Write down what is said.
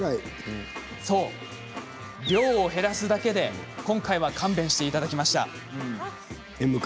量を減らすだけで勘弁していただきました。